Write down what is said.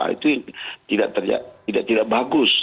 itu tidak bagus